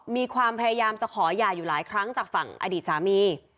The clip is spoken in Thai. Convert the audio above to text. มีความพยายามจะขอหย่าอยู่หลายครั้งจากฝั่งอดีตสามี